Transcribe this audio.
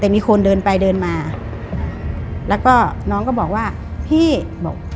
แต่มีคนเดินไปเดินมาแล้วก็น้องก็บอกว่าพี่บอก